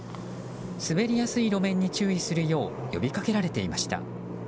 滑りやすい路面に注意するよう呼びかけられていました。